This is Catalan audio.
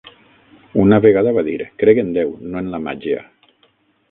Una vegada va dir: crec en Déu, no en la màgia.